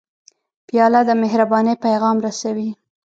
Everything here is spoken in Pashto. پیاله د مهربانۍ پیغام رسوي.